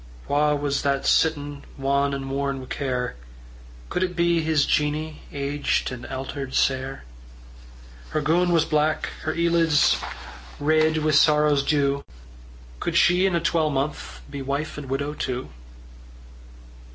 Wha was that was sittin' Wan and worn wi' care? Could it be his Jeannie Aged and alter'd sair? Her goon was black, her eelids Reid wi' sorrow's dew: Could she in a twalmonth Be wife and widow too?